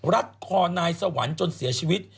รัดคอนายสวรรค์จนเสียชีวิต